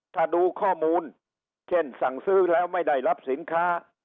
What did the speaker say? ถ้าดูข้อมูลเช่นสั่งซื้อแล้วไม่ได้รับสินค้า